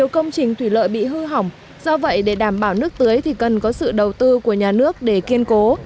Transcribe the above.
công trình thủy lợi bị hư hỏng do vậy để đảm bảo nước tưới thì cần có sự đầu tư của nhà nước để kiên cố